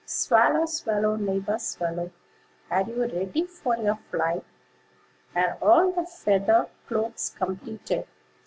"Swallow, swallow, neighbor swallow, Are you ready for your flight? Are all the feather cloaks completed?